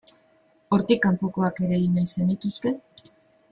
Hortik kanpokoak ere egin nahi zenituzke?